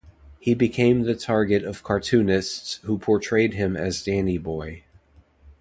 He became the target of cartoonists who portrayed him as Danny Boy.